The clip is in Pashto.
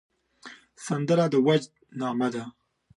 سندره د وجد نغمه ده